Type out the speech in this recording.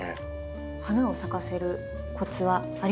花を咲かせるコツはありますか？